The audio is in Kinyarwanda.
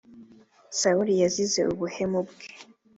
Sawuli yazize ubuhemu bwe.